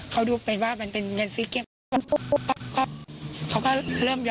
กดตามไปกด